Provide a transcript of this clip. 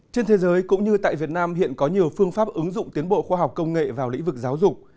trên thế giới cũng như tại việt nam hiện có nhiều phương pháp ứng dụng tiến bộ khoa học công nghệ vào lĩnh vực giáo dục